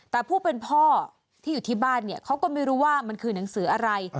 แต่ผู้เป็นพ่อที่อยู่ที่บ้านเนี่ยเขาก็ไม่รู้ว่ามันคือหนังสืออะไร